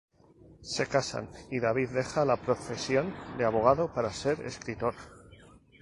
Se casan, y David deja la profesión de abogado para ser escritor.